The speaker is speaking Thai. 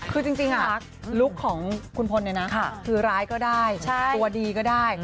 คือจริงลุคของคุณพลเนี่ยนะคือร้ายก็ได้ตัวดีก็ได้